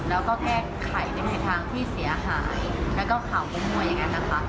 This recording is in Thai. แล้วก็แก้ไขในทางที่เสียหายแล้วก็ข่าวขโมยอย่างนั้นนะคะ